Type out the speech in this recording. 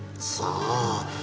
さあ。